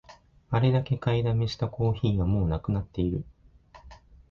あれだけ買いだめしたコーヒーがもうなくなってる